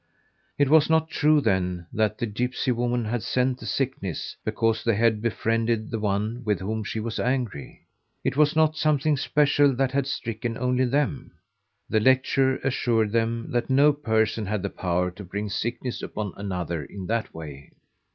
It was not true then that the gipsy woman had sent the sickness because they had befriended the one with whom she was angry. It was not something special that had stricken only them. The lecturer assured them that no person had the power to bring sickness upon another in that way.